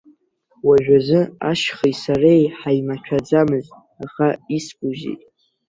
Уажәазы ашьхеи сареи ҳаимаҭәаӡамызт, аха искузеи.